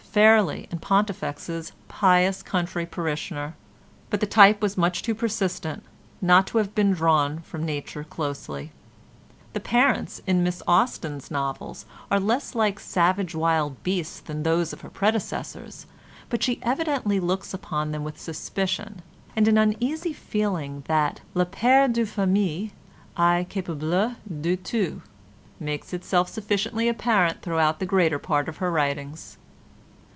Fairlie & Pontifex's "Pious Country Parishioner," but the type was much too persistent not to have been drawn from nature closely. The parents in Miss Austen's novels are less like savage wild beasts than those of her predecessors, but she evidently looks upon them with suspicion, and an uneasy feeling that le père de famille est capable de tout makes itself sufficiently apparent throughout the greater part of her writings.